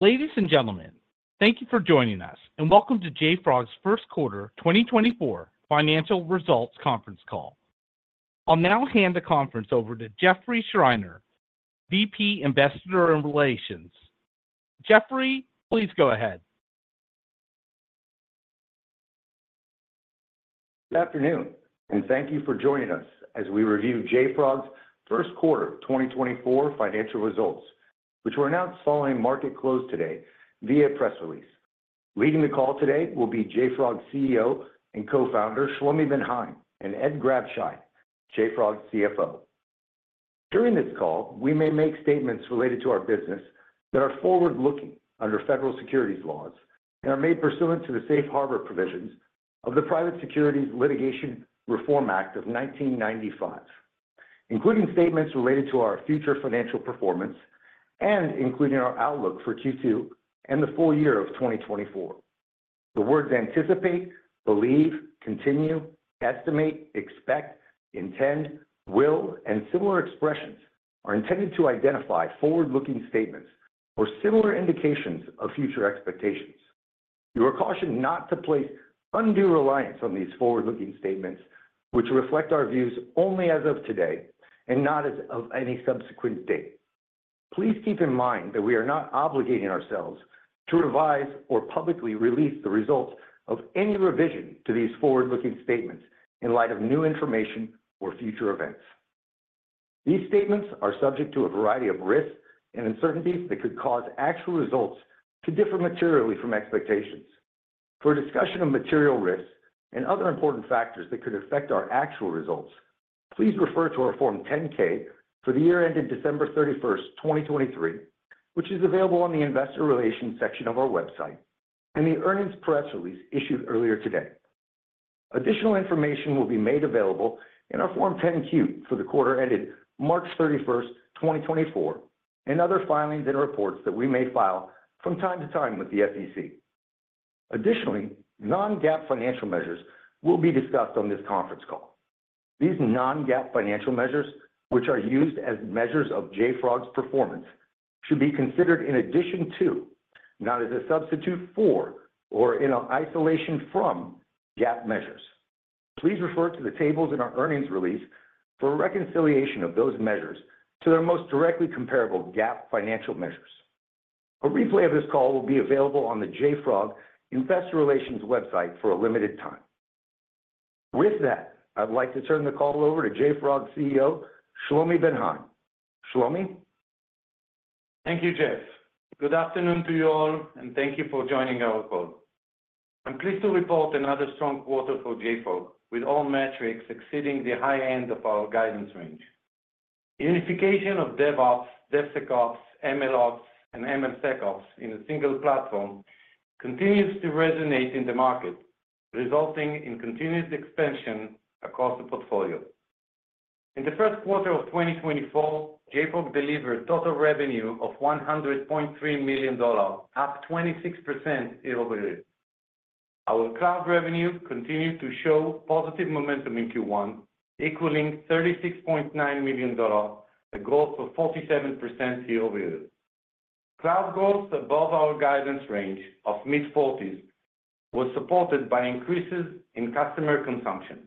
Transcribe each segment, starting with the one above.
Ladies and gentlemen, thank you for joining us, and welcome to JFrog's First Quarter 2024 Financial Results Conference Call. I'll now hand the conference over to Jeffrey Schreiner, VP, Investor Relations. Jeffrey, please go ahead. Good afternoon, and thank you for joining us as we review JFrog's first quarter of 2024 financial results, which were announced following market close today via press release. Leading the call today will be JFrog's CEO and Co-founder, Shlomi Ben Haim, and Ed Grabscheid, JFrog's CFO. During this call, we may make statements related to our business that are forward-looking under federal securities laws and are made pursuant to the safe harbor provisions of the Private Securities Litigation Reform Act of 1995, including statements related to our future financial performance and including our outlook for Q2 and the full year of 2024. The words anticipate, believe, continue, estimate, expect, intend, will, and similar expressions are intended to identify forward-looking statements or similar indications of future expectations. You are cautioned not to place undue reliance on these forward-looking statements, which reflect our views only as of today and not as of any subsequent date. Please keep in mind that we are not obligating ourselves to revise or publicly release the results of any revision to these forward-looking statements in light of new information or future events. These statements are subject to a variety of risks and uncertainties that could cause actual results to differ materially from expectations. For a discussion of material risks and other important factors that could affect our actual results, please refer to our Form 10-K for the year ended December 31st, 2023, which is available on the investor relations section of our website and the earnings press release issued earlier today. Additional information will be made available in our Form 10-Q for the quarter ended March 31st, 2024, and other filings and reports that we may file from time to time with the SEC. Additionally, non-GAAP financial measures will be discussed on this conference call. These non-GAAP financial measures, which are used as measures of JFrog's performance, should be considered in addition to, not as a substitute for or in isolation from GAAP measures. Please refer to the tables in our earnings release for a reconciliation of those measures to their most directly comparable GAAP financial measures. A replay of this call will be available on the JFrog Investor Relations website for a limited time. With that, I'd like to turn the call over to JFrog CEO, Shlomi Ben Haim. Shlomi? Thank you, Jeff. Good afternoon to you all, and thank you for joining our call. I'm pleased to report another strong quarter for JFrog, with all metrics exceeding the high-end of our guidance range. Unification of DevOps, DevSecOps, MLOps, and MLSecOps in a single platform continues to resonate in the market, resulting in continuous expansion across the portfolio. In the first quarter of 2024, JFrog delivered total revenue of $100.3 million, up 26% year-over-year. Our Cloud revenue continued to show positive momentum in Q1, equaling $36.9 million, a growth of 47% year-over-year. Cloud growth above our guidance range of mid-40%s was supported by increases in customer consumption.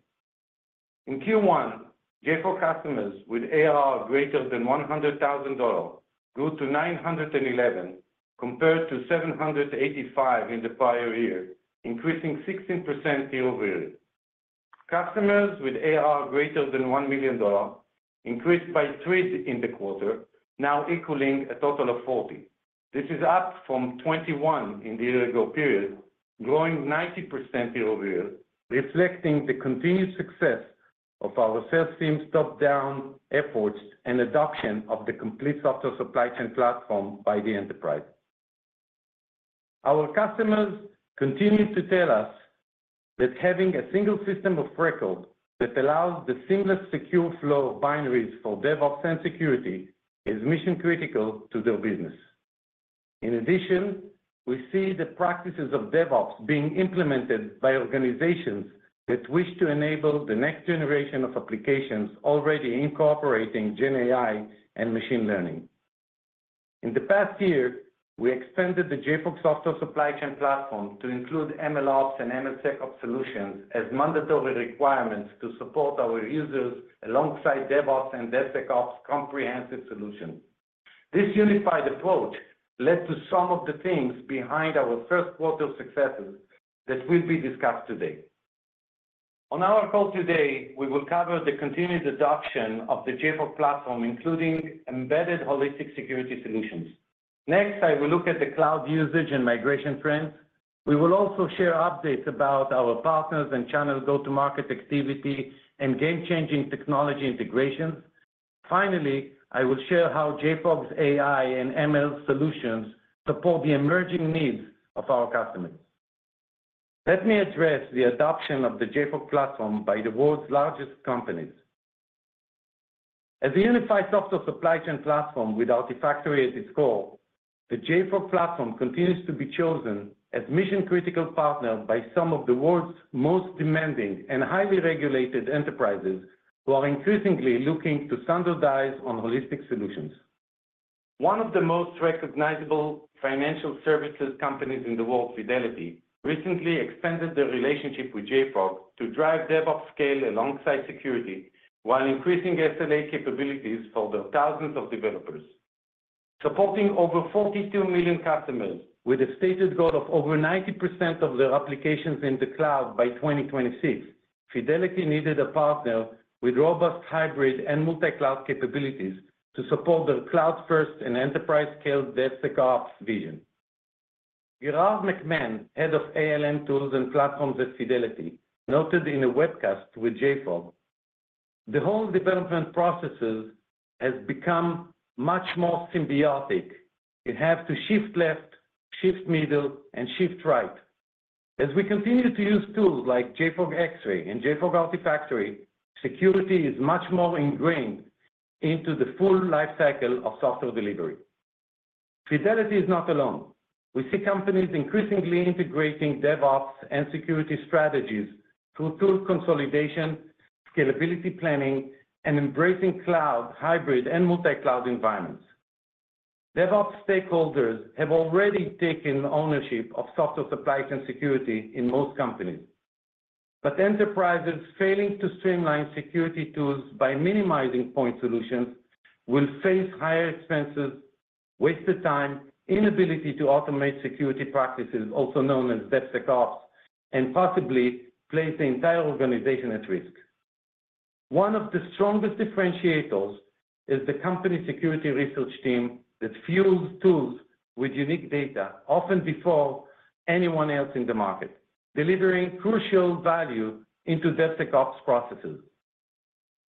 In Q1, JFrog customers with ARR greater than $100,000 grew to 911, compared to 785 in the prior year, increasing 16% year-over-year. Customers with ARR greater than $1 million increased by 3 in the quarter, now equaling a total of 40. This is up from 21 in the year-ago period, growing 90% year-over-year, reflecting the continued success of our sales team's top-down efforts and adoption of the complete software supply chain platform by the enterprise. Our customers continue to tell us that having a single system of record that allows the seamless, secure flow of binaries for DevOps and security is mission-critical to their business. In addition, we see the practices of DevOps being implemented by organizations that wish to enable the next generation of applications already incorporating GenAI and machine learning. In the past year, we expanded the JFrog Software Supply Chain Platform to include MLOps and MLSecOps solutions as mandatory requirements to support our users alongside DevOps and DevSecOps comprehensive solutions. This unified approach led to some of the things behind our first quarter successes that will be discussed today. On our call today, we will cover the continued adoption of the JFrog Platform, including embedded holistic security solutions. Next, I will look at the cloud usage and migration trends. We will also share updates about our partners and channel go-to-market activity and game-changing technology integrations. Finally, I will share how JFrog's AI and ML solutions support the emerging needs of our customers. Let me address the adoption of the JFrog Platform by the world's largest companies. As a unified software supply chain platform with Artifactory at its core, the JFrog Platform continues to be chosen as mission-critical partner by some of the world's most demanding and highly-regulated enterprises, who are increasingly looking to standardize on holistic solutions. One of the most recognizable financial services companies in the world, Fidelity, recently extended their relationship with JFrog to drive DevOps scale alongside security, while increasing SLA capabilities for their thousands of developers. Supporting over 42 million customers with a stated goal of over 90% of their applications in the cloud by 2026, Fidelity needed a partner with robust hybrid and multi-cloud capabilities to support their cloud-first and enterprise-scale DevSecOps vision. Gerard McMahon, Head of ALM Tools and Platforms at Fidelity, noted in a webcast with JFrog, "The whole development processes has become much more symbiotic. You have to shift left, shift middle, and shift right. As we continue to use tools like JFrog Xray and JFrog Artifactory, security is much more ingrained into the full life cycle of software delivery." Fidelity is not alone. We see companies increasingly integrating DevOps and security strategies through tool consolidation, scalability planning, and embracing cloud, hybrid, and multi-cloud environments. DevOps stakeholders have already taken ownership of software supply chain security in most companies. But enterprises failing to streamline security tools by minimizing point solutions will face higher expenses, wasted time, inability to automate security practices, also known as DevSecOps, and possibly place the entire organization at risk. One of the strongest differentiators is the company security research team that fuels tools with unique data, often before anyone else in the market, delivering crucial value into DevSecOps processes.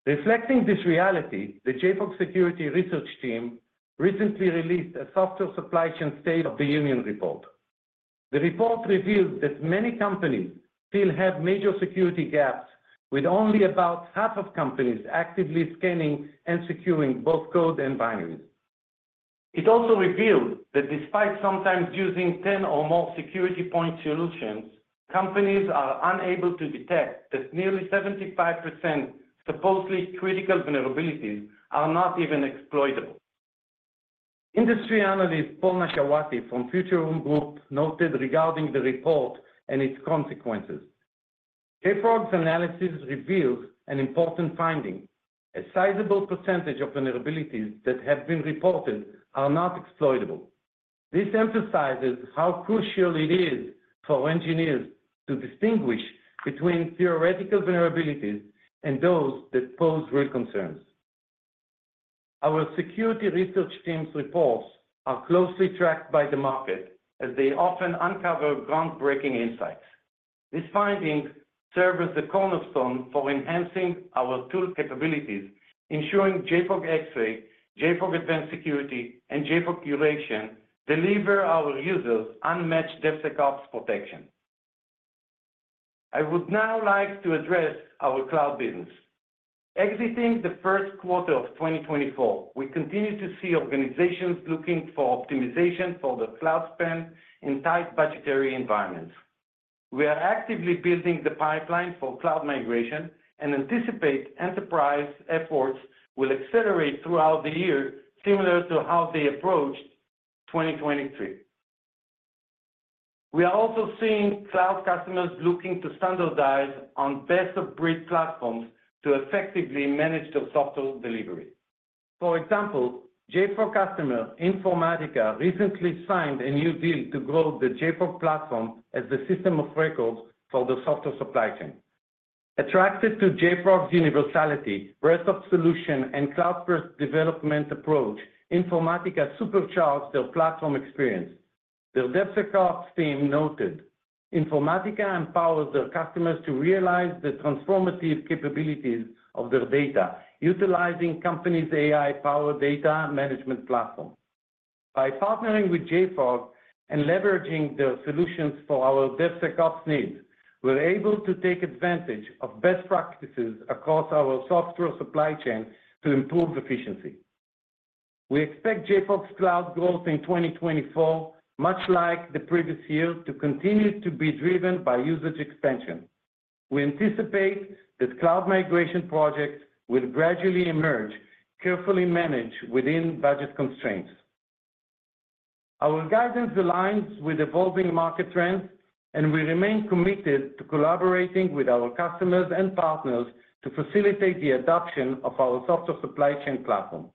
Reflecting this reality, the JFrog Security Research team recently released a Software Supply Chain State of the Union report. The report revealed that many companies still have major security gaps, with only about half of companies actively scanning and securing both code and binaries. It also revealed that despite sometimes using 10 or more security point solutions, companies are unable to detect that nearly 75% supposedly-critical vulnerabilities are not even exploitable. Industry analyst Paul Nashawaty from Futurum Group noted regarding the report and its consequences, "JFrog's analysis reveals an important finding. A sizable percentage of vulnerabilities that have been reported are not exploitable. This emphasizes how crucial it is for engineers to distinguish between theoretical vulnerabilities and those that pose real concerns." Our Security Research team's reports are closely tracked by the market as they often uncover groundbreaking insights. These findings serve as the cornerstone for enhancing our tool capabilities, ensuring JFrog Xray, JFrog Advanced Security, and JFrog Curation deliver our users unmatched DevSecOps protection. I would now like to address our Cloud business. Exiting the first quarter of 2024, we continue to see organizations looking for optimization for their cloud spend in tight budgetary environments. We are actively building the pipeline Cloud-migration and anticipate enterprise efforts will accelerate throughout the year, similar to how they approached 2023. We are also seeing cloud customers looking to standardize on best-of-breed platforms to effectively manage their software delivery. For example, JFrog customer, Informatica, recently signed a new deal to grow the JFrog Platform as the system of records for their software supply chain. Attracted to JFrog's universality, breadth of solution, and cloud-first development approach, Informatica supercharged their platform experience. Their DevSecOps team noted, "Informatica empowers their customers to realize the transformative capabilities of their data, utilizing company's AI-powered data management platform. By partnering with JFrog and leveraging their solutions for our DevSecOps needs, we're able to take advantage of best practices across our software supply chain to improve efficiency." We expect JFrog's Cloud growth in 2024, much like the previous year, to continue to be driven by usage expansion. We anticipate Cloud-migration projects will gradually emerge, carefully managed within budget constraints. Our guidance aligns with evolving market trends, and we remain committed to collaborating with our customers and partners to facilitate the adoption of our software supply chain platform.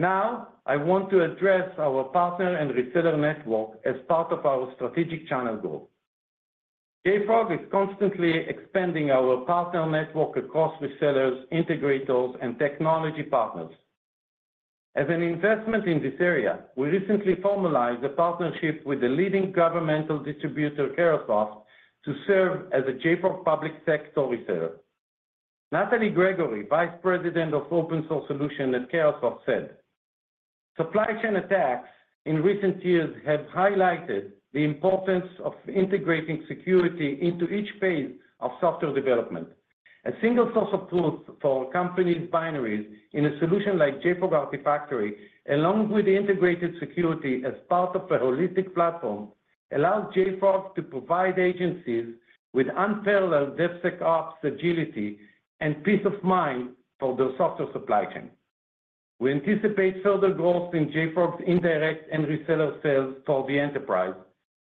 Now, I want to address our partner and reseller network as part of our strategic channel goal. JFrog is constantly expanding our partner network across resellers, integrators, and technology partners. As an investment in this area, we recently formalized a partnership with the leading governmental distributor, Carahsoft, to serve as a JFrog public sector reseller. Natalie Gregory, Vice President of Open Source Solutions at Carahsoft, said, "Supply chain attacks in recent years have highlighted the importance of integrating security into each phase of software development. A single source of truth for companies' binaries in a solution like JFrog Artifactory, along with integrated security as part of a holistic platform, allows JFrog to provide agencies with unparalleled DevSecOps agility and peace of mind for their software supply chain."... We anticipate further growth in JFrog's indirect and reseller sales for the enterprise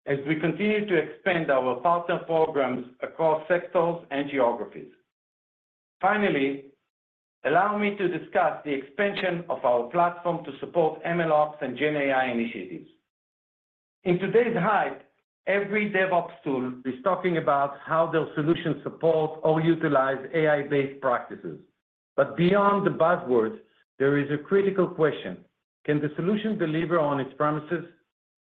as we continue to expand our partner programs across sectors and geographies. Finally, allow me to discuss the expansion of our platform to support MLOps and GenAI initiatives. In today's hype, every DevOps tool is talking about how their solution supports or utilize AI-based practices. But beyond the buzzwords, there is a critical question: Can the solution deliver on its promises?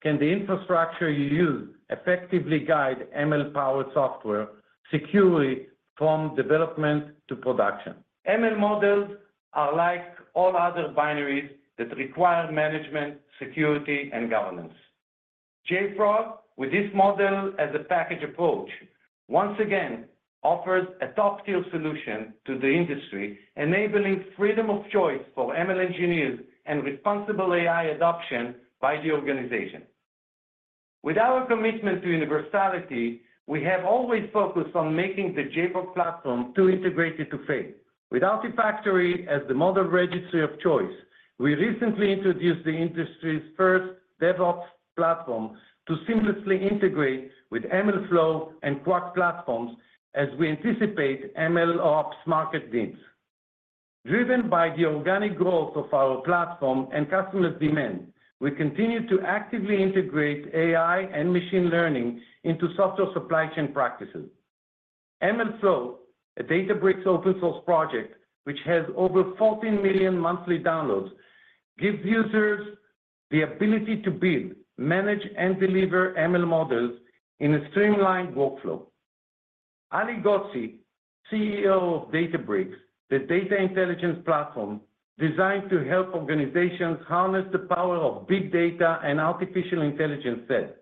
Can the infrastructure you use effectively guide ML-powered software securely from development to production? ML models are like all other binaries that require management, security, and governance. JFrog, with this model as a package approach, once again offers a top-tier solution to the industry, enabling freedom of choice for ML engineers and responsible AI adoption by the organization. With our commitment to universality, we have always focused on making the JFrog Platform too integrated to fail. With Artifactory as the model registry of choice, we recently introduced the industry's first DevOps platform to seamlessly integrate with MLflow and Qwak platforms as we anticipate MLOps market needs. Driven by the organic growth of our platform and customers' demand, we continue to actively integrate AI and machine learning into software supply chain practices. MLflow, a Databricks open source project, which has over 14 million monthly downloads, gives users the ability to build, manage, and deliver ML models in a streamlined workflow. Ali Ghodsi, CEO of Databricks, the data intelligence platform designed to help organizations harness the power of big data and artificial intelligence, said,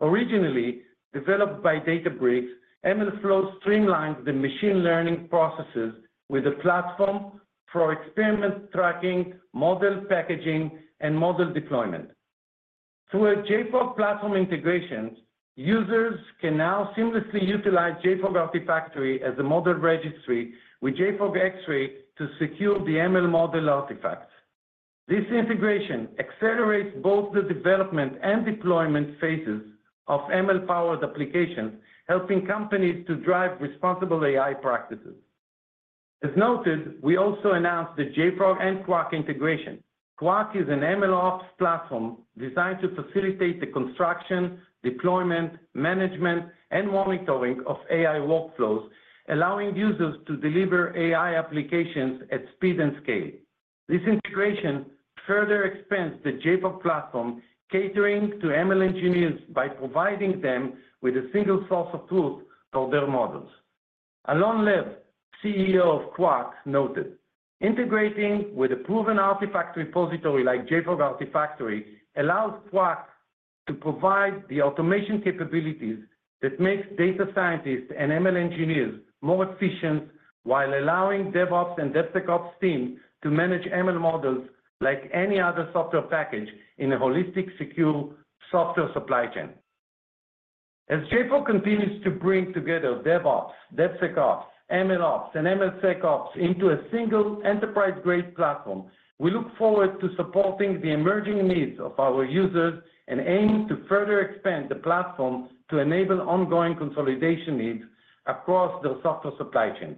"Originally developed by Databricks, MLflow streamlines the machine learning processes with a platform for experiment tracking, model packaging, and model deployment." Through a JFrog Platform integrations, users can now seamlessly utilize JFrog Artifactory as the model registry with JFrog Xray to secure the ML-model artifacts. This integration accelerates both the development and deployment phases of ML-powered applications, helping companies to drive responsible AI practices. As noted, we also announced the JFrog and Qwak integration. Qwak is an MLOps platform designed to facilitate the construction, deployment, management, and monitoring of AI workflows, allowing users to deliver AI applications at speed and scale. This integration further expands the JFrog Platform, catering to ML engineers by providing them with a single source of truth for their models. Alon Lev, CEO of Qwak, noted, "Integrating with a proven artifact repository like JFrog Artifactory allows Qwak to provide the automation capabilities that makes data scientists and ML engineers more efficient, while allowing DevOps and DevSecOps teams to manage ML models like any other software package in a holistic, secure software supply chain." As JFrog continues to bring together DevOps, DevSecOps, MLOps, and MLSecOps into a single enterprise-grade platform, we look forward to supporting the emerging needs of our users and aim to further expand the platform to enable ongoing consolidation needs across their software supply chains.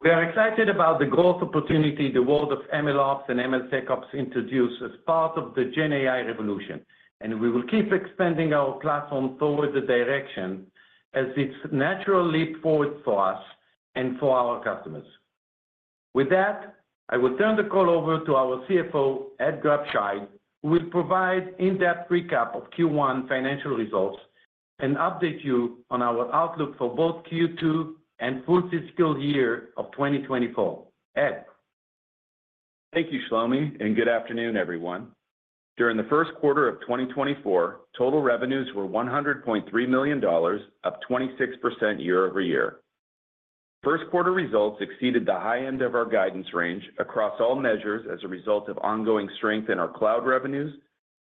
We are excited about the growth opportunity the world of MLOps and MLSecOps introduce as part of the GenAI revolution, and we will keep expanding our platform toward the direction as it's natural leap forward for us and for our customers. With that, I will turn the call over to our CFO, Ed Grabscheid, who will provide in-depth recap of Q1 financial results and update you on our outlook for both Q2 and full fiscal year of 2024. Ed? Thank you, Shlomi, and good afternoon, everyone. During the first quarter of 2024, total revenues were $100.3 million, up 26% year-over-year. First quarter results exceeded the high-end of our guidance range across all measures as a result of ongoing strength in our Cloud revenues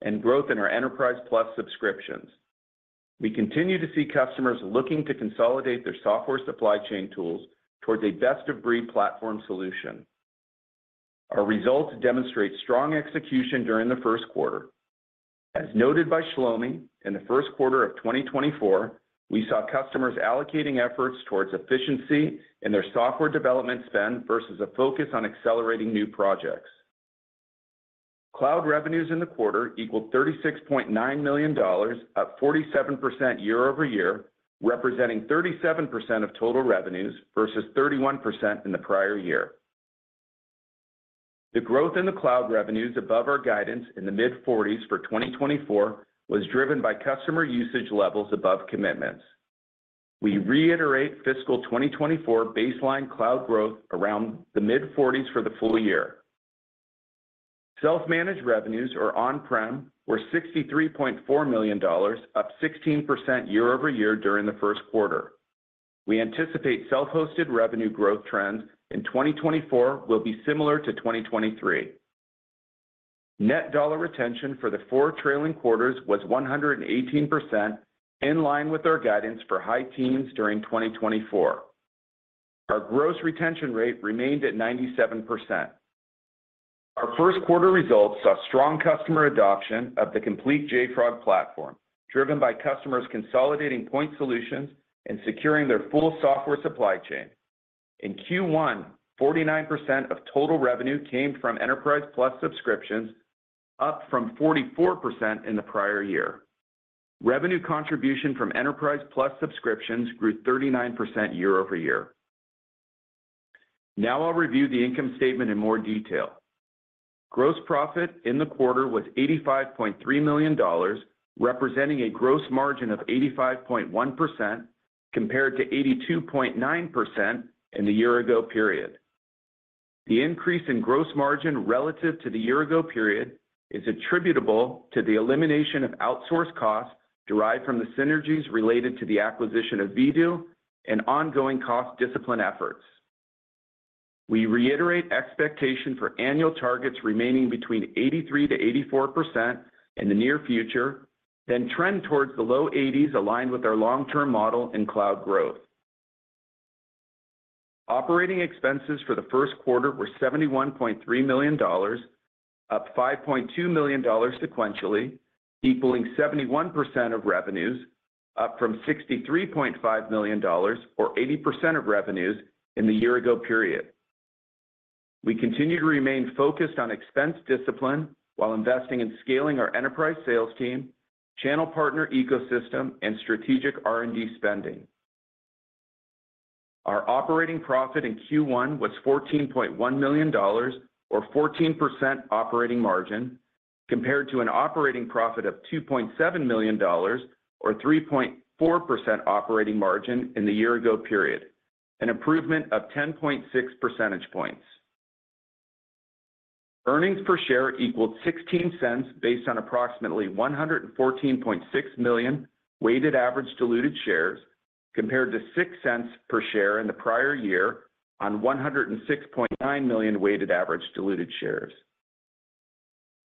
and growth in our Enterprise+ subscriptions. We continue to see customers looking to consolidate their software supply chain tools towards a best-of-breed platform solution. Our results demonstrate strong execution during the first quarter. As noted by Shlomi, in the first quarter of 2024, we saw customers allocating efforts towards efficiency in their software development spend versus a focus on accelerating new projects. Cloud revenues in the quarter equaled $36.9 million, up 47% year-over-year, representing 37% of total revenues versus 31% in the prior year. The growth in the Cloud revenues above our guidance in the mid-40%s for 2024 was driven by customer usage levels above commitments. We reiterate fiscal 2024 baseline Cloud growth around the mid-40%s for the full year. Self-managed revenues or on-prem were $63.4 million, up 16% year-over-year during the first quarter. We anticipate self-hosted revenue growth trends in 2024 will be similar to 2023. Net dollar retention for the four trailing quarters was 118%, in line with our guidance for high teens during 2024. Our gross retention rate remained at 97%. Our first quarter results saw strong customer adoption of the complete JFrog Platform, driven by customers consolidating point solutions and securing their full software supply chain. In Q1, 49% of total revenue came from Enterprise+ subscriptions, up from 44% in the prior year. Revenue contribution from Enterprise+ subscriptions grew 39% year-over-year. Now I'll review the income statement in more detail. Gross profit in the quarter was $85.3 million, representing a gross margin of 85.1%, compared to 82.9% in the year-ago period. The increase in gross margin relative to the year-ago period is attributable to the elimination of outsourced costs derived from the synergies related to the acquisition of Vdoo and ongoing cost-discipline efforts. We reiterate expectation for annual targets remaining between 83%-84% in the near future, then trend towards the low-80s, aligned with our long-term model and Cloud growth. Operating expenses for the first quarter were $71.3 million, up $5.2 million sequentially, equaling 71% of revenues, up from $63.5 million or 80% of revenues in the year-ago period. We continue to remain focused on expense discipline while investing in scaling our enterprise sales team, channel partner ecosystem, and strategic R&D spending. Our operating profit in Q1 was $14.1 million or 14% operating margin, compared to an operating profit of $2.7 million, or 3.4% operating margin in the year-ago period, an improvement of 10.6 percentage points. Earnings per share equaled $0.16, based on approximately 114.6 million weighted average diluted shares, compared to $0.06 per share in the prior year on 106.9 million weighted average diluted shares.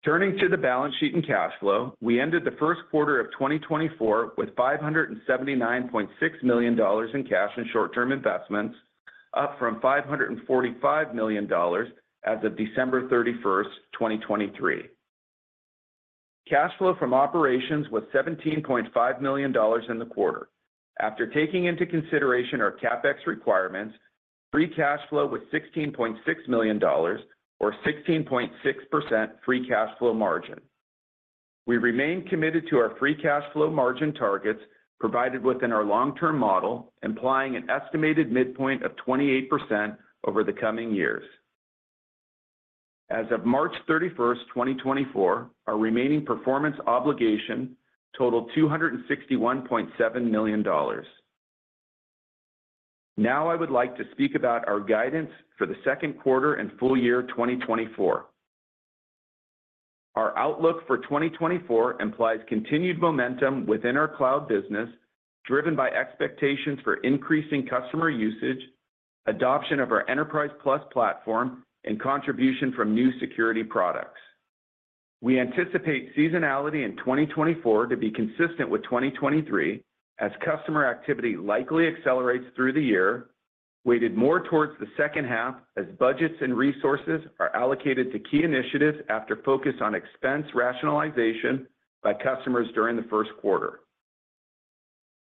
Turning to the balance sheet and cash flow, we ended the first quarter of 2024 with $579.6 million in cash and short-term investments, up from $545 million as of December 31st, 2023. Cash flow from operations was $17.5 million in the quarter. After taking into consideration our CapEx requirements, free cash flow was $16.6 million or 16.6% free cash flow margin. We remain committed to our free cash flow margin targets provided within our long-term model, implying an estimated midpoint of 28% over the coming years. As of March 31st, 2024, our remaining performance obligation totaled $261.7 million. Now, I would like to speak about our guidance for the second quarter and full year 2024. Our outlook for 2024 implies continued momentum within our Cloud business, driven by expectations for increasing customer usage, adoption of our Enterprise+ platform, and contribution from new security products. We anticipate seasonality in 2024 to be consistent with 2023, as customer activity likely accelerates through the year, weighted more towards the second half as budgets and resources are allocated to key initiatives after focus on expense rationalization by customers during the first quarter.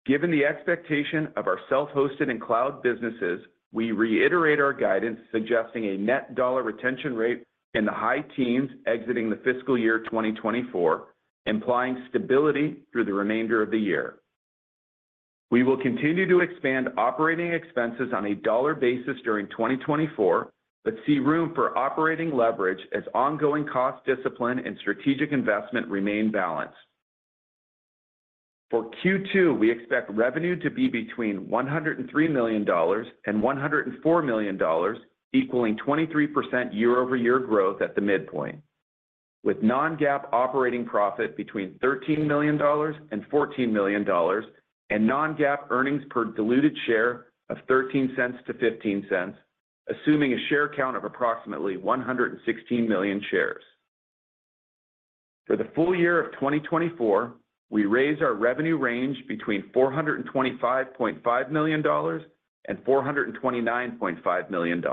Given the expectation of our self-hosted and Cloud businesses, we reiterate our guidance suggesting a net dollar retention rate in the high teens exiting the fiscal year 2024, implying stability through the remainder of the year. We will continue to expand operating expenses on a dollar basis during 2024, but see room for operating leverage as ongoing cost discipline and strategic investment remain balanced. For Q2, we expect revenue to be between $103 million and $104 million, equaling 23% year-over-year growth at the midpoint, with non-GAAP operating profit between $13 million and $14 million, and non-GAAP earnings per diluted share of $0.13-$0.15, assuming a share count of approximately 116 million shares. For the full year of 2024, we raise our revenue range between $425.5 million and $429.5 million.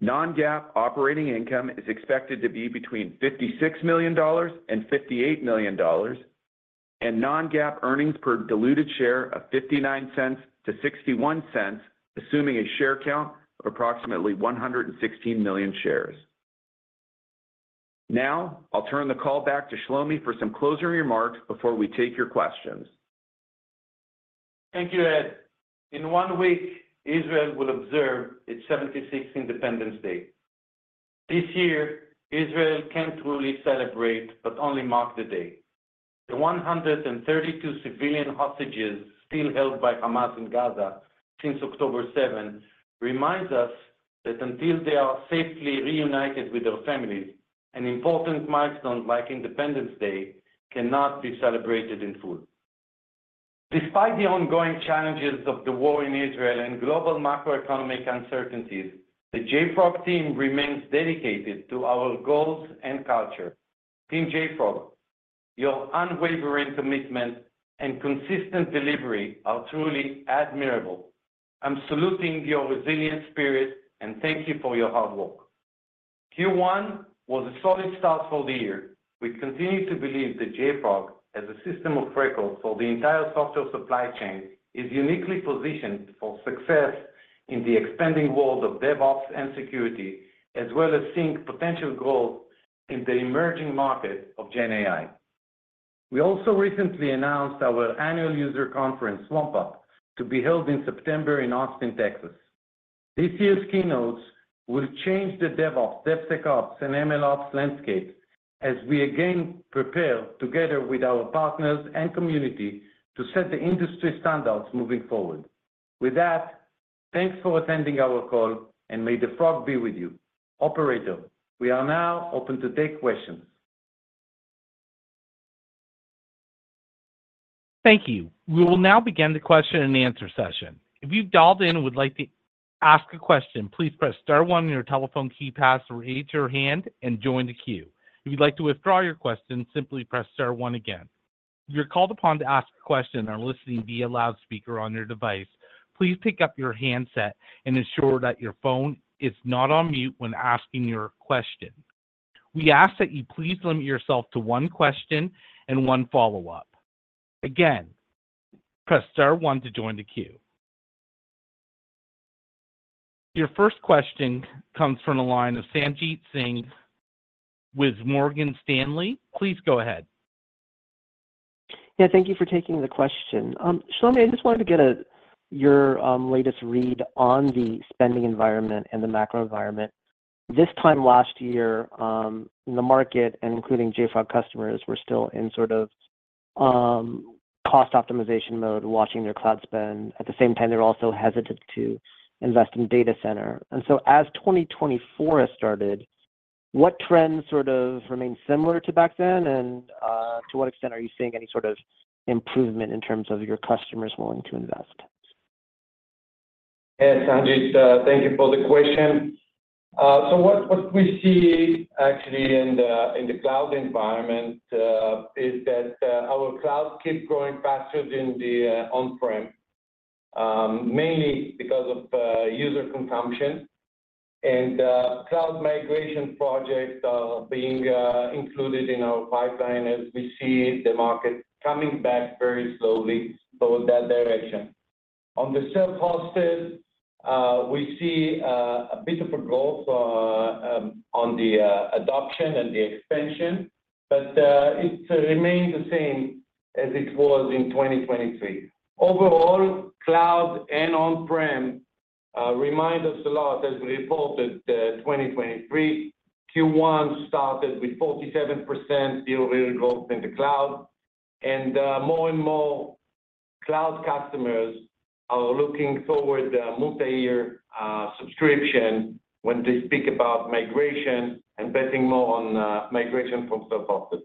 Non-GAAP operating income is expected to be between $56 million and $58 million, and non-GAAP earnings per diluted share of $0.59-$0.61, assuming a share count of approximately 116 million shares. Now, I'll turn the call back to Shlomi for some closing remarks before we take your questions. Thank you, Ed. In one week, Israel will observe its 76th Independence Day. This year, Israel can't truly celebrate, but only mark the day. The 132 civilian hostages still held by Hamas in Gaza since October seventh reminds us that until they are safely reunited with their families, an important milestone like Independence Day cannot be celebrated in full. Despite the ongoing challenges of the war in Israel and global macroeconomic uncertainties, the JFrog team remains dedicated to our goals and culture. Team JFrog, your unwavering commitment and consistent delivery are truly admirable. I'm saluting your resilient spirit, and thank you for your hard work. Q1 was a solid start for the year. We continue to believe that JFrog, as a system of record for the entire software supply chain, is uniquely-positioned for success in the expanding world of DevOps and security, as well as seeing potential growth in the emerging market of GenAI. We also recently announced our annual user conference, swampUP, to be held in September in Austin, Texas. This year's keynotes will change the DevOps, DevSecOps, and MLOps landscape as we again prepare together with our partners and community to set the industry standards moving forward. With that, thanks for attending our call, and may the frog be with you. Operator, we are now open to take questions. Thank you. We will now begin the question-and-answer session. If you've dialed in and would like to ask a question, please press star one on your telephone keypad to raise your hand and join the queue. If you'd like to withdraw your question, simply press star one again. If you're called upon to ask a question and are listening via loudspeaker on your device, please pick up your handset and ensure that your phone is not on mute when asking your question. We ask that you please limit yourself to one question and one follow-up. Again, press star one to join the queue. Your first question comes from the line of Sanjit Singh with Morgan Stanley. Please go ahead. Yeah, thank you for taking the question. Shlomi, I just wanted to get your latest read on the spending environment and the macro environment. This time last year, the market, and including JFrog customers, were still in sort of cost-optimization mode, watching their cloud spend. At the same time, they're also hesitant to invest in data center. And so as 2024 has started, what trends sort of remain similar to back then? And to what extent are you seeing any sort of improvement in terms of your customers willing to invest? Yes, Sanjit, thank you for the question. So what, what we see actually in the, in the cloud environment, is that, our Cloud keep growing faster than the, on-prem, mainly because of, user consumption and Cloud-migration projects are being, included in our pipeline as we see the market coming back very slowly toward that direction. On the self-hosted, we see, a bit of a growth, on the, adoption and the expansion, but, it remains the same as it was in 2023. Overall, Cloud and on-prem, remind us a lot, as we reported, 2023, Q1 started with 47% year-over-year growth in the Cloud. More and more cloud customers are looking toward a multi-year subscription when they speak about migration and betting more on migration from self-hosted.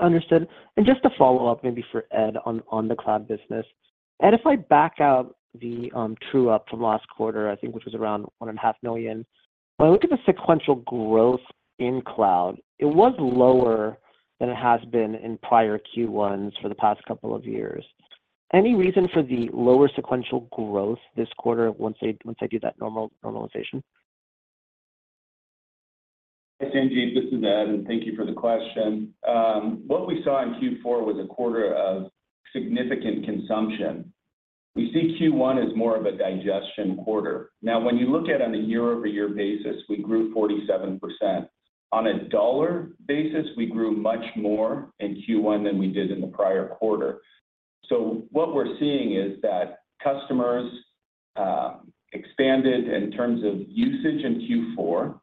Understood. And just to follow up, maybe for Ed on the Cloud business. Ed, if I back out the true up from last quarter, I think, which was around $1.5 million, when I look at the sequential growth in Cloud, it was lower than it has been in prior Q1s for the past couple of years. Any reason for the lower sequential growth this quarter, once I do that normal normalization? Sanjit, this is Ed, and thank you for the question. What we saw in Q4 was a quarter of significant consumption. We see Q1 as more of a digestion quarter. Now, when you look at on a year-over-year basis, we grew 47%. On a dollar basis, we grew much more in Q1 than we did in the prior quarter. So what we're seeing is that customers expanded in terms of usage in Q4.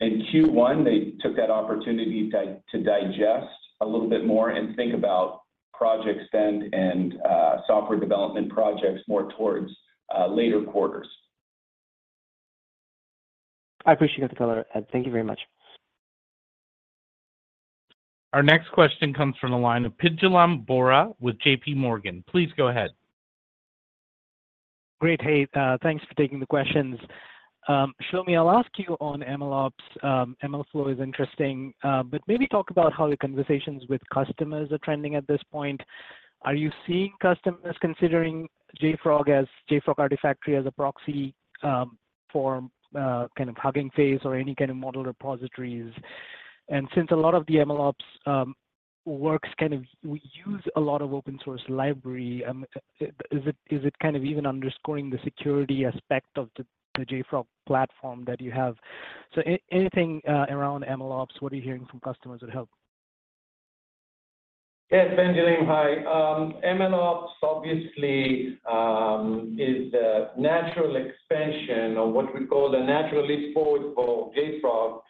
In Q1, they took that opportunity to digest a little bit more and think about project spend and software development projects more towards later quarters. I appreciate the color, Ed. Thank you very much. Our next question comes from the line of Pinjalim Bora with JPMorgan. Please go ahead. Great. Hey, thanks for taking the questions. Shlomi, I'll ask you on MLOps. MLflow is interesting, but maybe talk about how the conversations with customers are trending at this point? Are you seeing customers considering JFrog as JFrog Artifactory as a proxy for kind of Hugging Face or any kind of model repositories? And since a lot of the MLOps works, kind of we use a lot of open source library, is it, is it kind of even underscoring the security aspect of the JFrog Platform that you have? So anything around MLOps, what are you hearing from customers would help. Yes, Pinjalim, hi. MLOps obviously is a natural expansion or what we call the natural leap forward for JFrog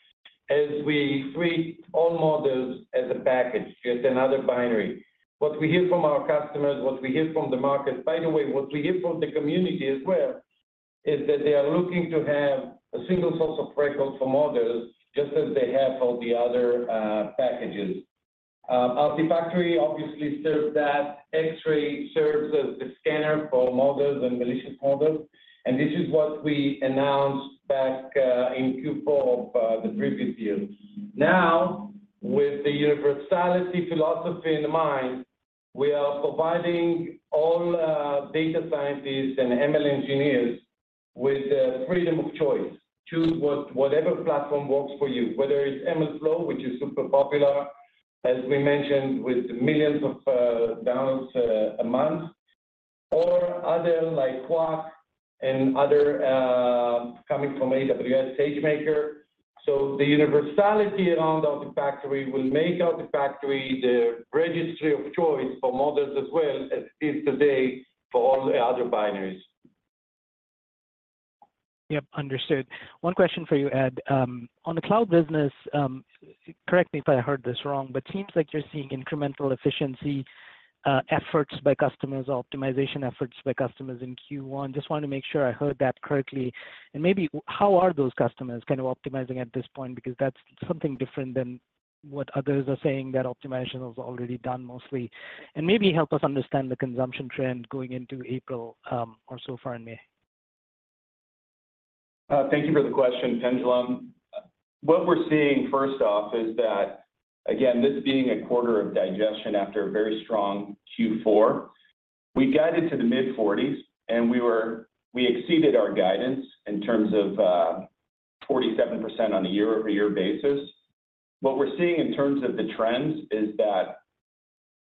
as we keep all models as a package, just another binary. What we hear from our customers, what we hear from the market, by the way, what we hear from the community as well is that they are looking to have a single source of records for models, just as they have for the other packages. Artifactory obviously serves that. Xray serves as the scanner for models and malicious models, and this is what we announced back in Q4 of the previous year. Now, with the universality philosophy in mind, we are providing all data scientists and ML engineers with the freedom of choice. Choose what- whatever platform works for you, whether it's MLflow, which is super popular, as we mentioned, with millions of downloads a month, or other, like Qwak and other coming from AWS SageMaker. So the universality around the Artifactory will make Artifactory the registry of choice for models as well as it is today for all the other binaries. Yep, understood. One question for you, Ed. On the Cloud business, correct me if I heard this wrong, but seems like you're seeing incremental efficiency efforts by customers, optimization efforts by customers in Q1. Just wanted to make sure I heard that correctly. And maybe how are those customers kind of optimizing at this point? Because that's something different than what others are saying, that optimization was already done mostly. And maybe help us understand the consumption trend going into April, or so far in May. Thank you for the question, Pinjalim. What we're seeing, first off, is that, again, this being a quarter of digestion after a very strong Q4, we guided to the mid-40%s, and we exceeded our guidance in terms of 47% on a year-over-year basis. What we're seeing in terms of the trends is that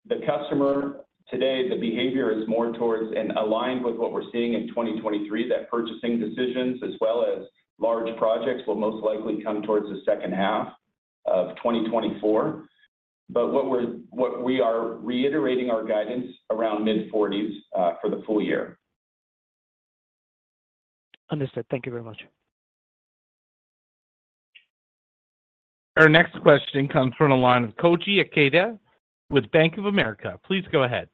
the customer today, the behavior is more towards and aligned with what we're seeing in 2023, that purchasing decisions as well as large projects will most likely come towards the second half of 2024. But what we're, what we are reiterating our guidance around mid-40%s for the full year. Understood. Thank you very much. Our next question comes from the line of Koji Ikeda with Bank of America. Please go ahead.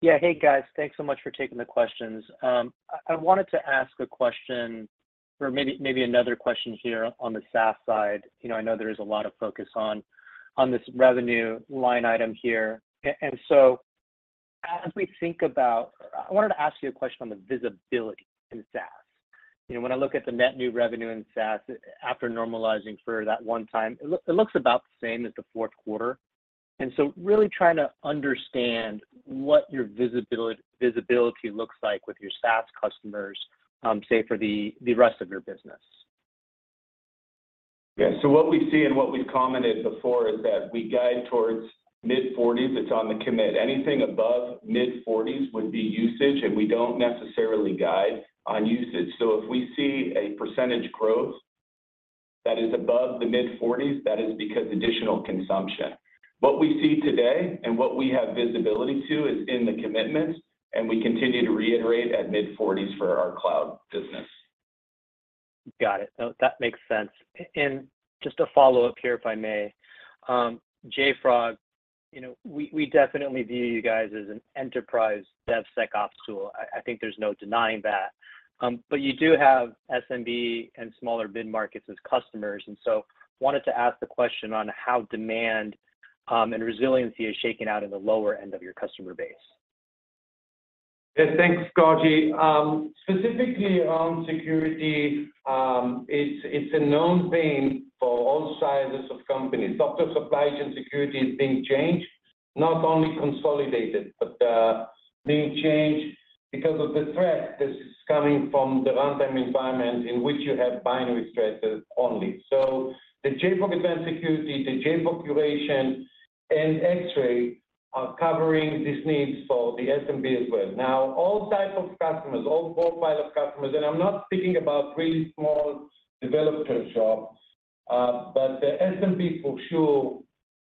Yeah. Hey, guys. Thanks so much for taking the questions. I wanted to ask a question or maybe, maybe another question here on the SaaS side. You know, I know there is a lot of focus on, on this revenue line item here. And so as we think about... I wanted to ask you a question on the visibility in SaaS. You know, when I look at the net new revenue in SaaS, after normalizing for that one time, it looks about the same as the fourth quarter. And so really trying to understand what your visibility looks like with your SaaS customers, say, for the rest of your business. Yeah. So what we see and what we've commented before is that we guide towards mid-40%s. It's on the commit. Anything above mid-40%s would be usage, and we don't necessarily guide on usage. So if we see a percentage growth that is above the mid-40%s, that is because additional consumption. What we see today and what we have visibility to is in the commitments, and we continue to reiterate at mid-40%s for our Cloud business. Got it. No, that makes sense. And just a follow-up here, if I may. JFrog, you know, we, we definitely view you guys as an enterprise DevSecOps tool. I, I think there's no denying that. But you do have SMB and smaller mid-markets as customers, and so wanted to ask the question on how demand, and resiliency is shaking out in the lower end of your customer base. Yeah, thanks, Koji. Specifically on security, it's, it's a known vein for all sizes of companies. Software supply chain security is being changed, not only consolidated, but being changed because of the threat that is coming from the runtime environment in which you have binary threats only. So the JFrog Advanced Security, the JFrog Curation, and Xray are covering these needs for the SMB as well. Now, all types of customers, all profile of customers, and I'm not speaking about really small developer shops, but the SMB for sure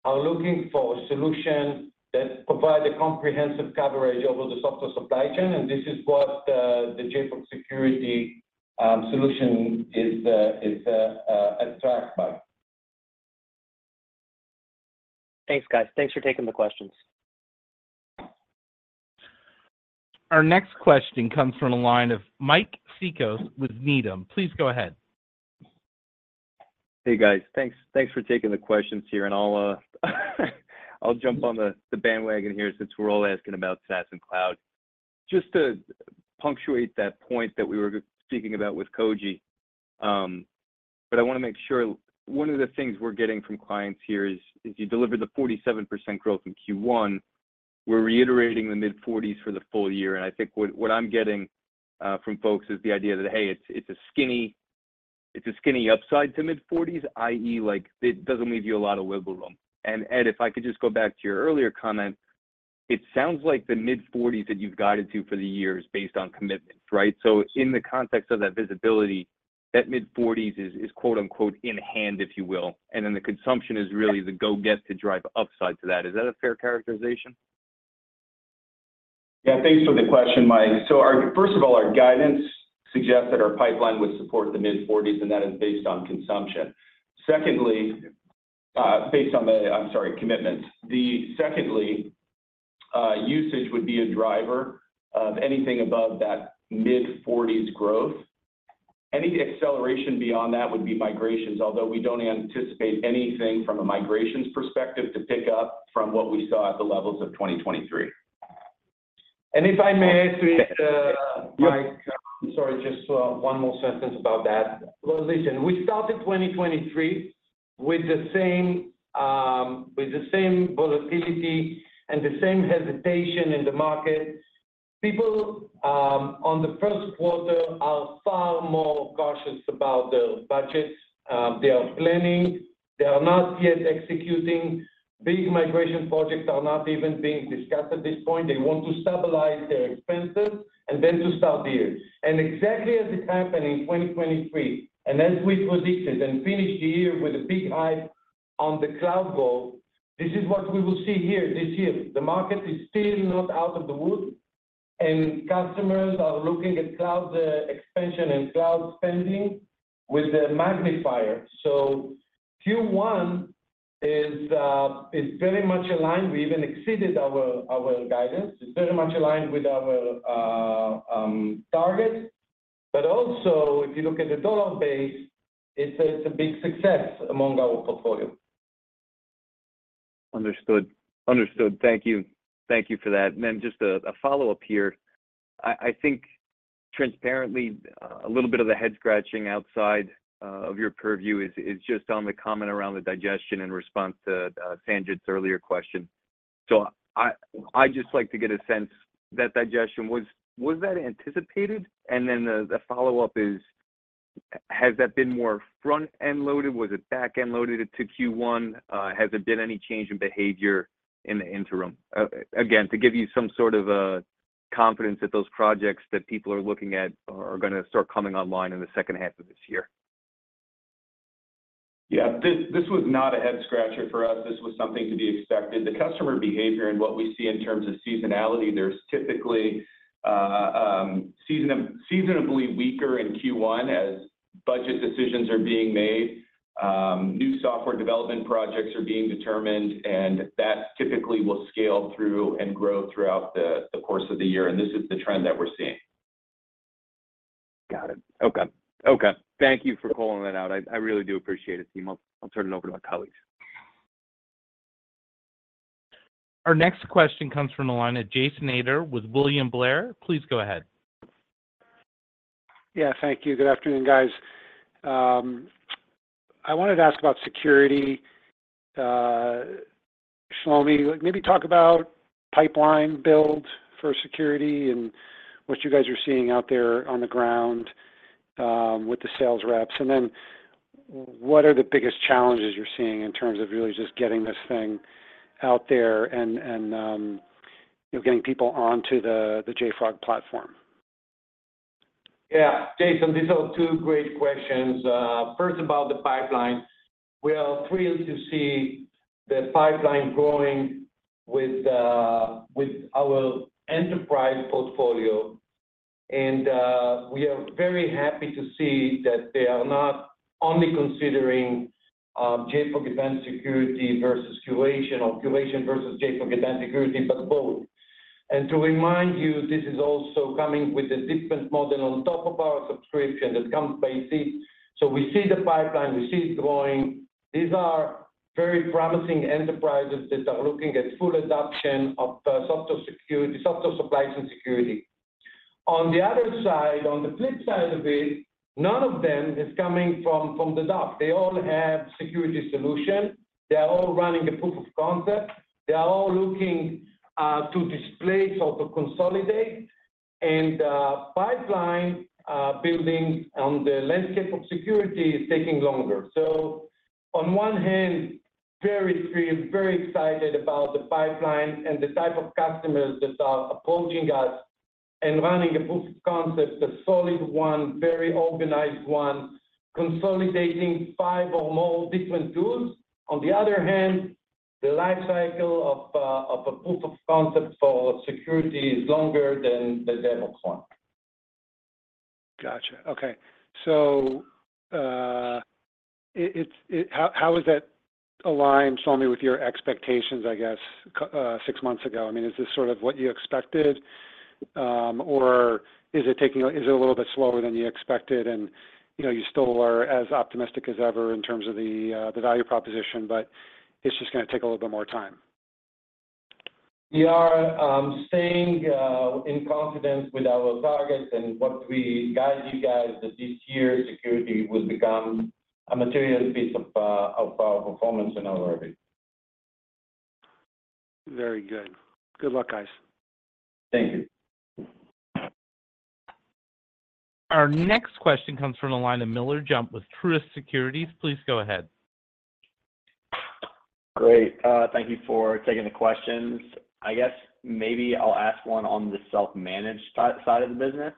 are looking for solutions that provide a comprehensive coverage over the software supply chain, and this is what the, the JFrog Security solution is, is, abstract by. Thanks, guys. Thanks for taking the questions. Our next question comes from the line of Mike Cikos with Needham. Please go ahead. Hey, guys. Thanks for taking the questions here, and I'll jump on the bandwagon here since we're all asking about SaaS and Cloud. Just to punctuate that point that we were speaking about with Koji, but I wanna make sure, one of the things we're getting from clients here is you delivered the 47% growth in Q1. We're reiterating the mid-40%s for the full year, and I think what I'm getting from folks is the idea that, hey, it's a skinny upside to mid-40%s, i.e., like, it doesn't leave you a lot of wiggle room. And Ed, if I could just go back to your earlier comment, it sounds like the mid-40%s that you've guided to for the year is based on commitments, right? So in the context of that visibility, that mid-40%s is, is quote-unquote, in hand, if you will, and then the consumption is really the go-get to drive upside to that. Is that a fair characterization? Yeah, thanks for the question, Mike. So our first of all, our guidance suggests that our pipeline would support the mid-40%s, and that is based on consumption. Secondly, based on commitments. Secondly, usage would be a driver of anything above that mid-40%s growth. Any acceleration beyond that would be migrations, although we don't anticipate anything from a migrations perspective to pick up from what we saw at the levels of 2023. And if I may add to it, Mike, sorry, just one more sentence about that. Listen, we started 2023 with the same, with the same volatility and the same hesitation in the market. People, on the first quarter are far more cautious about their budgets. They are planning, they are not yet executing. Big migration projects are not even being discussed at this point. They want to stabilize their expenses and then to start the year. And exactly as it happened in 2023, and as we predicted and finished the year with a big hype on the cloud goal, this is what we will see here this year. The market is still not out of the woods, and customers are looking at cloud expansion and cloud spending with a magnifier. So Q1 is, is very much aligned. We even exceeded our guidance. It's very much aligned with our target. But also, if you look at the dollar base, it's a big success among our portfolio. Understood. Understood. Thank you. Thank you for that. And then just a follow-up here. I think transparently, a little bit of the head scratching outside of your purview is just on the comment around the digestion in response to Sanjit's earlier question. So I'd just like to get a sense that digestion, was that anticipated? And then the follow-up is, has that been more front-end loaded? Was it back-end loaded into Q1? Has there been any change in behavior in the interim? Again, to give you some sort of a confidence that those projects that people are looking at are gonna start coming online in the second half of this year. Yeah, this, this was not a head scratcher for us. This was something to be expected. The customer behavior and what we see in terms of seasonality, there's typically seasonably weaker in Q1 as budget decisions are being made, new software development projects are being determined, and that typically will scale through and grow throughout the course of the year, and this is the trend that we're seeing. Got it. Okay. Thank you for calling that out. I really do appreciate it, team. I'll turn it over to my colleagues. Our next question comes from the line of Jason Ader, with William Blair. Please go ahead. Yeah, thank you. Good afternoon, guys. I wanted to ask about security, Shlomi, maybe talk about pipeline build for security and what you guys are seeing out there on the ground with the sales reps. And then what are the biggest challenges you're seeing in terms of really just getting this thing out there and, you know, getting people onto the JFrog Platform? Yeah, Jason, these are two great questions. First, about the pipeline. We are thrilled to see the pipeline growing with our enterprise portfolio, and we are very happy to see that they are not only considering JFrog Advanced Security versus Curation or Curation versus JFrog Advanced Security, but both. And to remind you, this is also coming with a different model on top of our subscription that comes basic. So we see the pipeline, we see it growing. These are very promising enterprises that are looking at full adoption of software security, software supply, and security. On the other side, on the flip side of it, none of them is coming from the Docker. They all have security solution, they are all running a proof of concept, they are all looking to displace or to consolidate, and pipeline building on the landscape of security is taking longer. So on one hand, very thrilled, very excited about the pipeline and the type of customers that are approaching us and running a proof of concept, a solid one, very organized one, consolidating five or more different tools. On the other hand, the life cycle of a proof of concept for security is longer than the DevOps one. Gotcha. Okay. So, it-- how is that aligned, Shlomi, with your expectations, I guess, six months ago? I mean, is this sort of what you expected, or is it taking-- is it a little bit slower than you expected? And, you know, you still are as optimistic as ever in terms of the, the value proposition, but it's just gonna take a little bit more time. We are staying in confidence with our targets and what we guide you guys, that this year, security will become a material piece of our performance in our orbit. Very good. Good luck, guys. Thank you. Our next question comes from the line of Miller Jump with Truist Securities. Please go ahead. Great. Thank you for taking the questions. I guess maybe I'll ask one on the self-managed side of the business.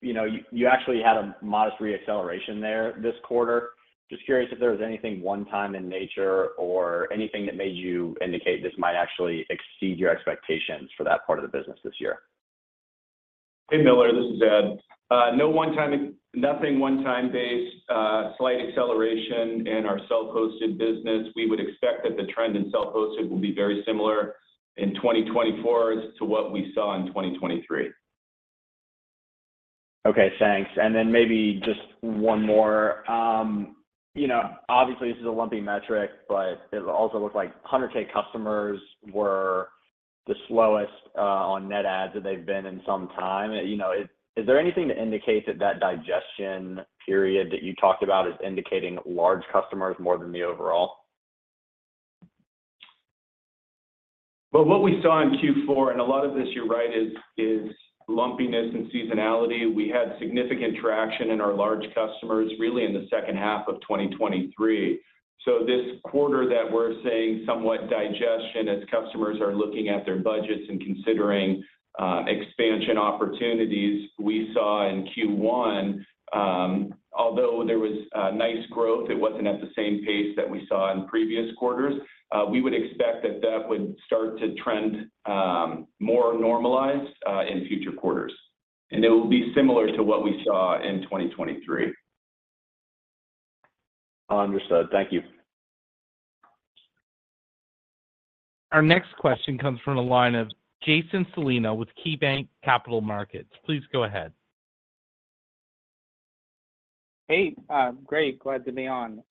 You know, you actually had a modest reacceleration there this quarter. Just curious if there was anything one time in nature or anything that made you indicate this might actually exceed your expectations for that part of the business this year? Hey, Miller, this is Ed. No one time, nothing one time-based, slight acceleration in our self-hosted business. We would expect that the trend in self-hosted will be very similar in 2024 as to what we saw in 2023. Okay, thanks. And then maybe just one more. You know, obviously, this is a lumpy metric, but it also looks like 100,000 customers were the slowest on net adds than they've been in some time. You know, is there anything to indicate that digestion period that you talked about is indicating large customers more than the overall? Well, what we saw in Q4, and a lot of this, you're right, is lumpiness and seasonality. We had significant traction in our large customers, really in the second half of 2023. So this quarter that we're seeing somewhat digestion as customers are looking at their budgets and considering expansion opportunities. We saw in Q1, although there was nice growth, it wasn't at the same pace that we saw in previous quarters. We would expect that that would start to trend more normalized in future quarters, and it will be similar to what we saw in 2023. Understood. Thank you. Our next question comes from the line of Jason Celino with KeyBanc Capital Markets. Please go ahead. Hey, great, glad to be on.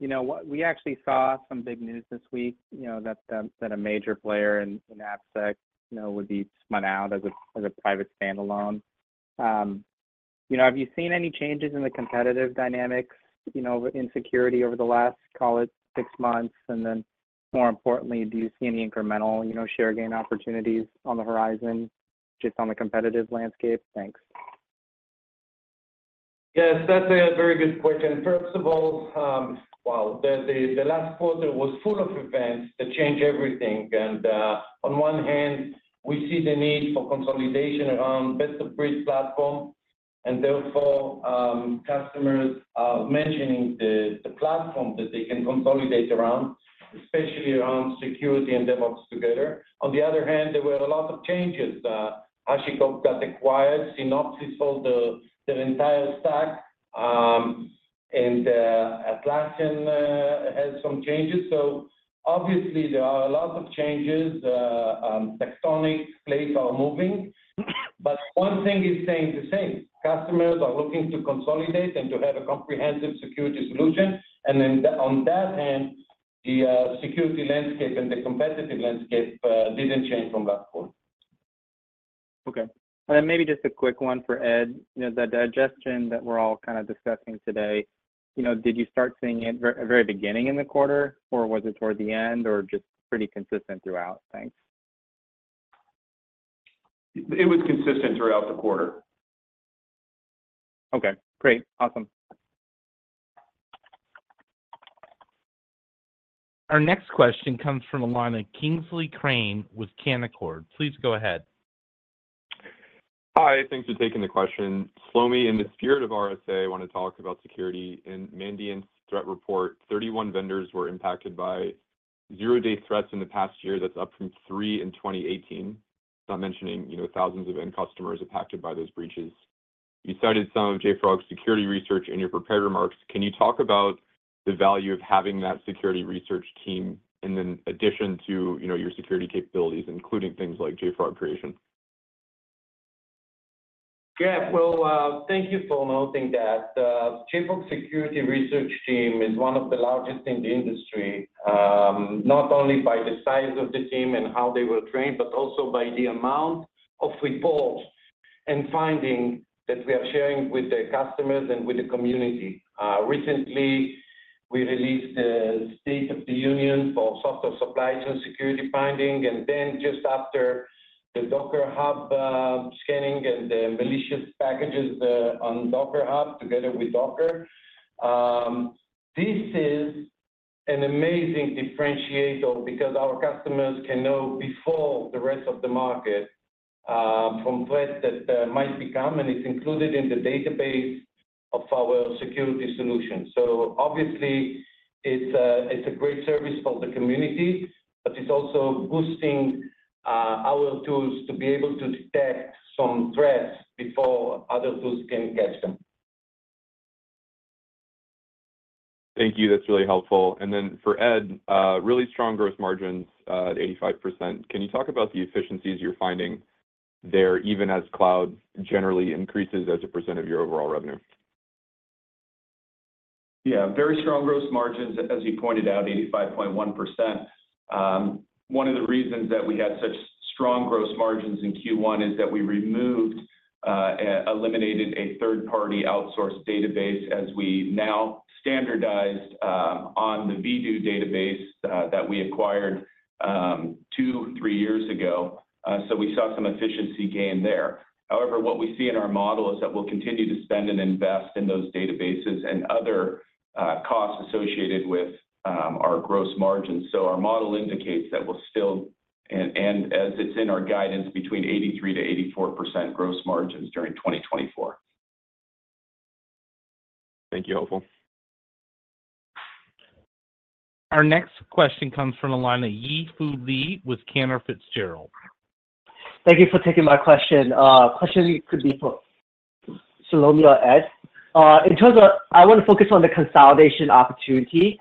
You know what? We actually saw some big news this week, you know, that a major player in AppSec, you know, would be spun out as a private standalone. You know, have you seen any changes in the competitive dynamics, you know, in security over the last, call it six months? And then, more importantly, do you see any incremental, you know, share gain opportunities on the horizon, just on the competitive landscape? Thanks. Yes, that's a very good question. First of all, well, the last quarter was full of events that changed everything, and on one hand, we see the need for consolidation around best of breed platform, and therefore, customers mentioning the platform that they can consolidate around, especially around security and DevOps together. On the other hand, there were a lot of changes. HashiCorp got acquired, Synopsys sold the entire stack, and Atlassian had some changes. So obviously there are a lot of changes. Tectonic plates are moving, but one thing is staying the same. Customers are looking to consolidate and to have a comprehensive security solution. And then on that hand, the security landscape and the competitive landscape didn't change from last quarter. Okay, maybe just a quick one for Ed. You know, the digestion that we're all kind of discussing today, you know, did you start seeing it at very beginning in the quarter, or was it toward the end, or just pretty consistent throughout? Thanks. It was consistent throughout the quarter. Okay, great. Awesome. Our next question comes from the line of Kingsley Crane with Canaccord. Please go ahead. Hi, thanks for taking the question. Shlomi, in the spirit of RSA, I want to talk about security. In Mandiant's threat report, 31 vendors were impacted by zero-day threats in the past year. That's up from three in 2018. Not mentioning, you know, thousands of end customers impacted by those breaches. You cited some of JFrog's Security Research in your prepared remarks. Can you talk about the value of having that Security Research team in addition to, you know, your security capabilities, including things like JFrog Curation? Yeah. Well, thank you for noting that. JFrog Security Research team is one of the largest in the industry, not only by the size of the team and how they were trained, but also by the amount of reports and findings that we are sharing with the customers and with the community. Recently, we released a State of the Union for software supply chain security findings, and then just after the Docker Hub scanning and the malicious packages on Docker Hub, together with Docker. This is an amazing differentiator because our customers can know before the rest of the market from threat that might become, and it's included in the database of our Security solution. So obviously, it's a great service for the community, but it's also boosting our tools to be able to detect some threats before other tools can catch them. Thank you. That's really helpful. And then for Ed, really strong growth margins, at 85%. Can you talk about the efficiencies you're finding there, even as Cloud generally increases as a percent of your overall revenue? Yeah, very strong gross margins, as you pointed out, 85.1%. One of the reasons that we had such strong gross margins in Q1 is that we removed, eliminated a third-party outsourced database, as we now standardized on the Vdoo database that we acquired two, three years ago. So we saw some efficiency gain there. However, what we see in our model is that we'll continue to spend and invest in those databases and other costs associated with our gross margins. So our model indicates that we'll still, as it's in our guidance, between 83%-84% gross margins during 2024. Thank you. Helpful. Our next question comes from the line of Yi Fu Lee with Cantor Fitzgerald. Thank you for taking my question. Question could be for Shlomi or Ed. In terms of, I want to focus on the consolidation opportunity.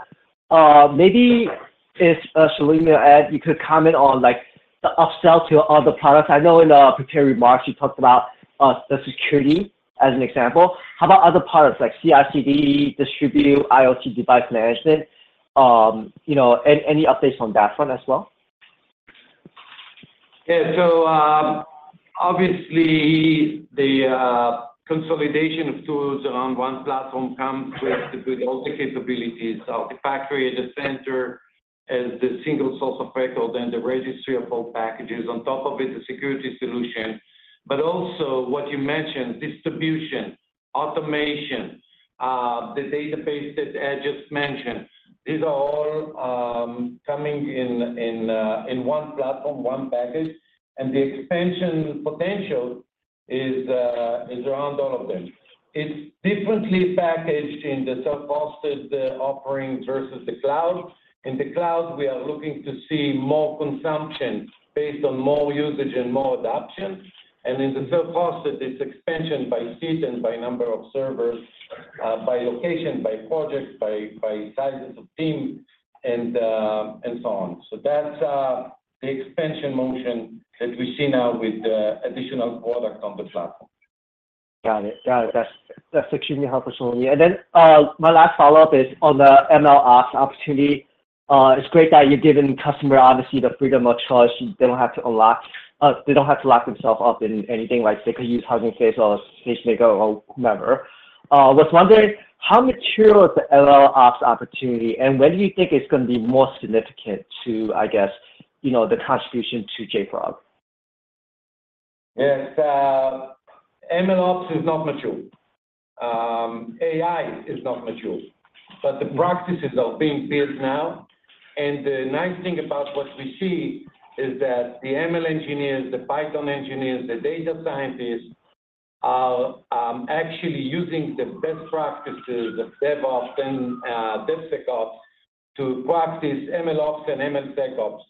Maybe if Shlomi or Ed, you could comment on, like, the upsell to your other products. I know in the prepared remarks, you talked about the security as an example. How about other products like CI/CD, Distribution, IoT device management? You know, any updates on that front as well? Yeah. So, obviously, the consolidation of tools around one platform comes with the, with all the capabilities of the factory, the center, and the single source of record, and the registry of all packages, on top of it, the Security solution. But also what you mentioned, distribution, automation, the database that Ed just mentioned. These are all coming in, in one platform, one package, and the expansion potential is around all of them. It's differently packaged in the self-hosted offering versus the Cloud. In the Cloud, we are looking to see more consumption based on more usage and more adoption, and in the self-hosted, it's expansion by seat and by number of servers, by location, by projects, by sizes of teams, and so on. So that's the expansion momentum that we see now with the additional products on the platform. Got it. Got it. That's, that's extremely helpful, Shlomi. Then my last follow-up is on the MLOps opportunity. It's great that you're giving customer, obviously, the freedom of choice. They don't have to unlock, they don't have to lock themselves up in anything, like they could use Hugging Face or SageMaker or whomever. Was wondering, how mature is the MLOps opportunity, and when do you think it's gonna be more significant to, I guess, you know, the contribution to JFrog? Yes. MLOps is not mature. AI is not mature, but the practices are being built now. And the nice thing about what we see is that the ML engineers, the Python engineers, the data scientists, are actually using the best practices, the DevOps and DevSecOps, to practice MLOps and MLSecOps.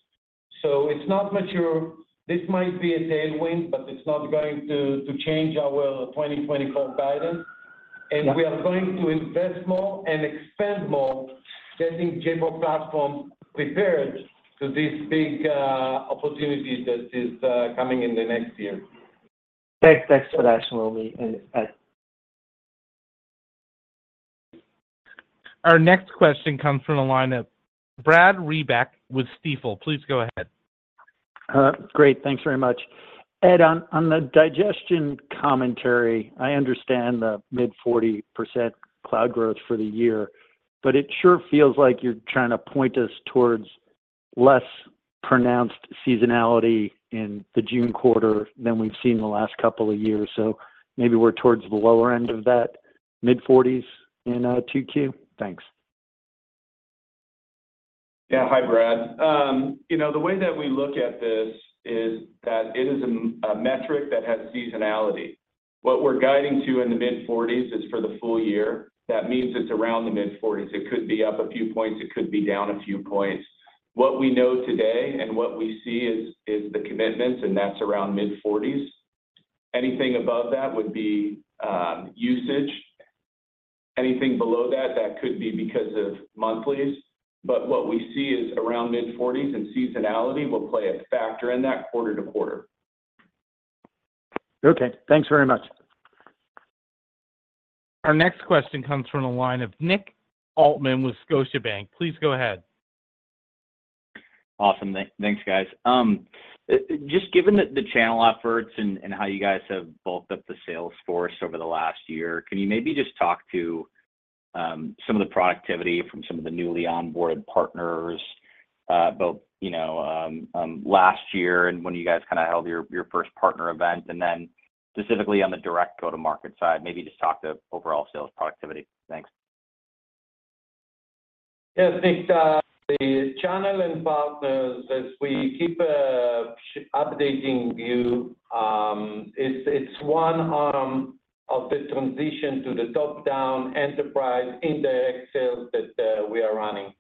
So it's not mature. This might be a tailwind, but it's not going to change our 2024 guidance. Yeah. We are going to invest more and expand more getting JFrog Platform prepared to this big opportunity that is coming in the next year. Thanks. Thanks for that, Shlomi and Ed. Our next question comes from the line of Brad Reback with Stifel. Please go ahead. Great, thanks very much. Ed, on, on the digestion commentary, I understand the mid-40% Cloud growth for the year, but it sure feels like you're trying to point us towards less-pronounced seasonality in the June quarter than we've seen in the last couple of years. So maybe we're towards the lower-end of that mid-40%s in 2Q? Thanks. Yeah. Hi, Brad. You know, the way that we look at this is that it is a metric that has seasonality. What we're guiding to in the mid-40%s is for the full year. That means it's around the mid-40%s. It could be up a few points, it could be down a few points. What we know today and what we see is the commitments, and that's around mid-40%s. Anything above that would be usage. Anything below that, that could be because of monthlies. But what we see is around mid-40%s, and seasonality will play a factor in that quarter-to-quarter. Okay, thanks very much. Our next question comes from the line of Nick Altmann with Scotiabank. Please go ahead. Awesome. Thanks, guys. Just given the channel efforts and how you guys have built up the sales force over the last year, can you maybe just talk to some of the productivity from some of the newly-onboarded partners, both, you know, last year and when you guys kinda held your first partner event? And then specifically on the direct go-to-market side, maybe just talk to overall sales productivity. Thanks. Yeah, Nick, the channel and partners, as we keep updating you, it's, it's one arm of the transition to the top-down enterprise indirect sales that we are running.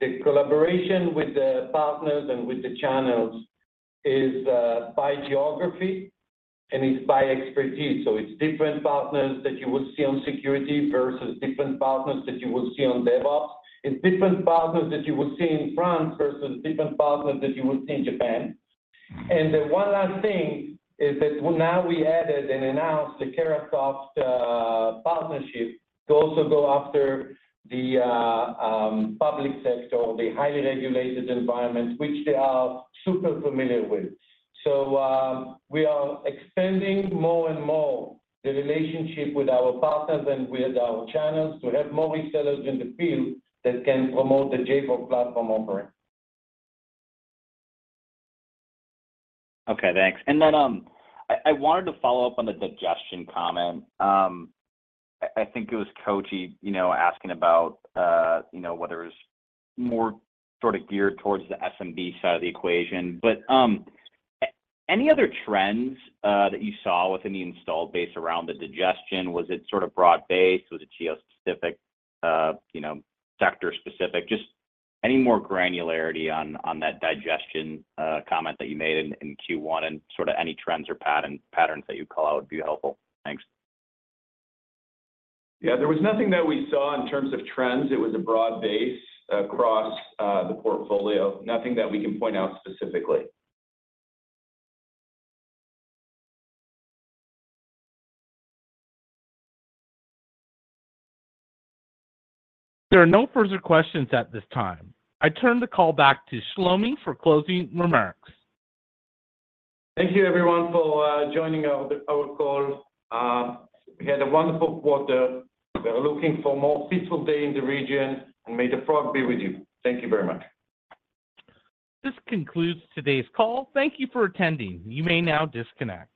The collaboration with the partners and with the channels is by geography and it's by expertise. So it's different partners that you would see on Security versus different partners that you would see on DevOps. It's different partners that you would see in France versus different partners that you would see in Japan. And the one last thing is that now we added and announced the Carahsoft partnership to also go after the public sector or the highly-regulated environment, which they are super familiar with. We are expanding more and more the relationship with our partners and with our channels to have more resellers in the field that can promote the JFrog Platform offering. Okay, thanks. And then, I wanted to follow up on the digestion comment. I think it was Koji, you know, asking about, you know, whether it's more sort of geared towards the SMB side of the equation. But, any other trends, that you saw within the installed base around the digestion? Was it sort of broad-based? Was it geo-specific, you know, sector-specific? Just any more granularity on, that digestion, comment that you made in, Q1, and sort of any trends or patterns that you'd call out would be helpful. Thanks. Yeah, there was nothing that we saw in terms of trends. It was a broad base across the portfolio. Nothing that we can point out specifically. There are no further questions at this time. I turn the call back to Shlomi for closing remarks. Thank you, everyone, for joining our call. We had a wonderful quarter. We are looking for more peaceful day in the region, and may the frog be with you. Thank you very much. This concludes today's call. Thank you for attending. You may now disconnect.